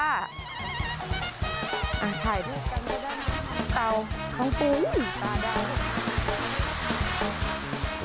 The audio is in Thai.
อ่ะถ่ายด้วยกันมาด้านนี้เต่าของปุ๋นตาดาว